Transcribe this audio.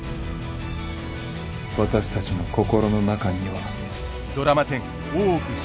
私たちの心の中には。